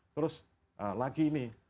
terus lagi ini